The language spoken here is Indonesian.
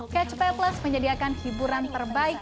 catch play plus menyediakan hiburan terbaik